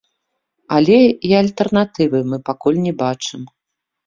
Але і альтэрнатывы мы пакуль не бачым.